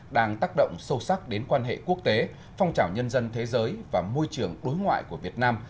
đang tác động sâu sắc đến quan hệ quốc tế phong trào nhân dân thế giới và môi trường đối ngoại của việt nam